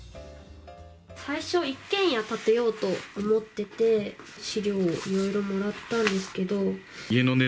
最初、一軒家建てようと思ってて、資料をいろいろもらったんですけど。